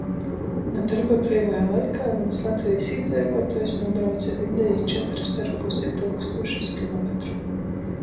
Nu dorba breivajā laikā vīns Latvejis īdzeivuotuojs nūbrauce videji četrys ar pusi tyukstūšys kilometru.